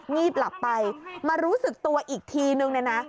ีบหลับไปมารู้สึกตัวอีกทีนึงเนี่ยนะ